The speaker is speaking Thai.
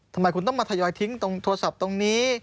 ทำไมคุณต้องมาทยอยทิ้งตรงโทรศัพท์ตรงนี้